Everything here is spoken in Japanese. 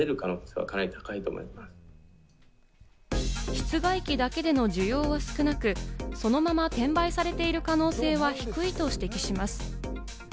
室外機だけでの需要は少なく、そのまま転売されている可能性は低いと指摘します。